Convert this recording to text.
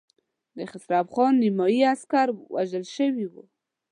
د خسرو خان نيمايي عسکر وژل شوي وو.